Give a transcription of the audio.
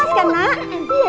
bisa dipakai alas kan nak